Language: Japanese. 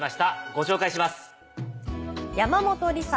ご紹介します。